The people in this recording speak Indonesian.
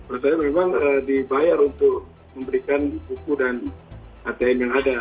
rasanya memang dibayar untuk memberikan buku dan atm yang ada